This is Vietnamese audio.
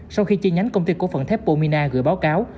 sau khi chi nhánh công ty cổ phần thép pomina gửi báo cáo